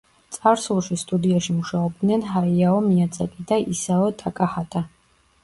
წარსულში სტუდიაში მუშაობდნენ ჰაიაო მიაძაკი და ისაო ტაკაჰატა.